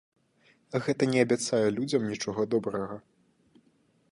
Гэта не абяцае людзям нічога добрага.